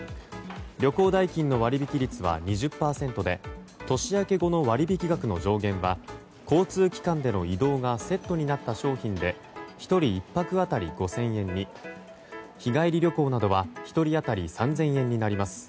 旅行代金の割引率は２０％で年明け後の割引額の上限は交通機関での移動がセットになった商品で１人１泊当たり５０００円に日帰り旅行などは１人当たり３０００円になります。